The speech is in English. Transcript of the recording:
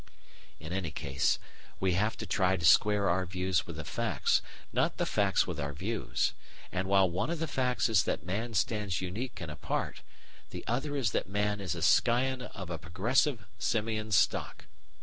In any case, we have to try to square our views with the facts, not the facts with our views, and while one of the facts is that man stands unique and apart, the other is that man is a scion of a progressive simian stock.